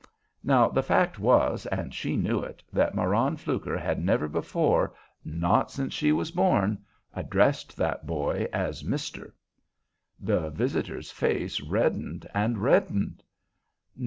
Now the fact was, and she knew it, that Marann Fluker had never before, not since she was born, addressed that boy as Mister. The visitor's face reddened and reddened.